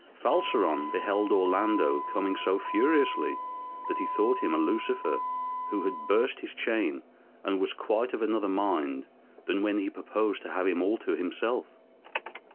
Falseron beheld Orlando coming so furiously, that he thought him a Lucifer who had burst his chain, and was quite of another mind than when he purposed to have him all to himself.